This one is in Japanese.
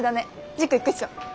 塾行くっしょ。